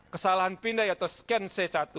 kesalahan pindah atau scan c satu